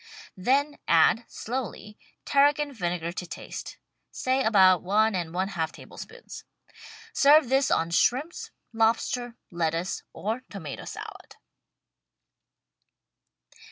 Then add, slowly. Tarragon vinegar to taste — say about one and one half tablespoons. Serve this on shrimps, lobster, lettuce or tomato salad.